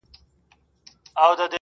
داسي چي حیران، دریان د جنگ زامن وي ناست.